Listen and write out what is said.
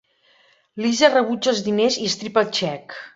Lisa rebutja els diners i estripa el xec.